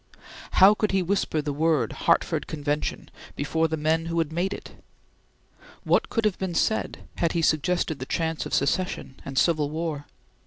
How could he whisper the word Hartford Convention before the men who had made it? What would have been said had he suggested the chance of Secession and Civil War?